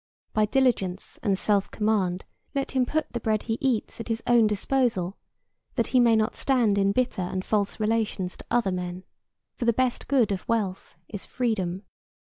By diligence and self command let him put the bread he eats at his own disposal, that he may not stand in bitter and false relations to other men; for the best good of wealth is freedom.